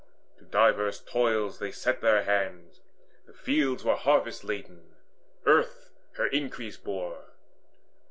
To diverse toils they set their hands; the fields Were harvest laden; earth her increase bore.